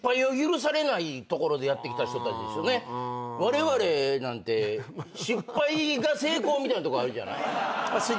われわれなんて失敗が成功みたいなとこある。